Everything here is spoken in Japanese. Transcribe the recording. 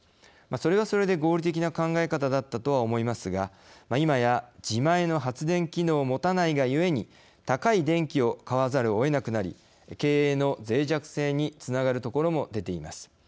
それはそれで合理的な考え方だったとは思いますがいまや、自前の発電機能を持たないがゆえに高い電気を買わざるをえなくなり経営のぜい弱性につながるところも出ています。